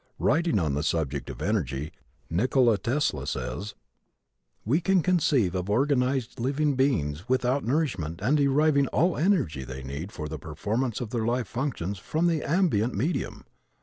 Writing on the subject of energy, Nicola Tesla says: "We can conceive of organized beings living without nourishment and deriving all the energy they need for the performance of their life functions from the ambient medium.